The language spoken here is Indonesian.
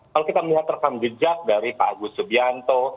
kalau kita melihat rekam jejak dari pak agus subianto